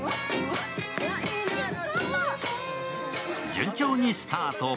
順調にスタート。